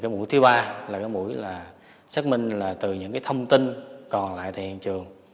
mũi thứ ba là mũi xác minh từ những thông tin còn lại tại hiện trường